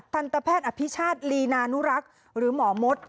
ทันทะแพทย์อภิชาศหรือหมอมท